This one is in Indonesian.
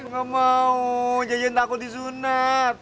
gak mau jajan takut disunat